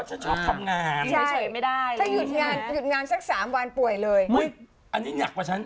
ใช่ถ้าหยุดงานสัก๓วันป่วยเลยอันนี้หนักกว่าฉัน